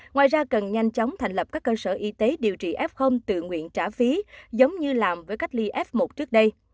ngoài ra cần nhanh chóng thành lập các cơ sở y tế điều trị f tự nguyện trả phí giống như làm với cách ly f một trước đây